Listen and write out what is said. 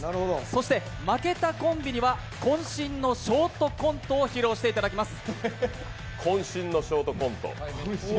そして負けたコンビニはこん身のショートコントを披露していただきます。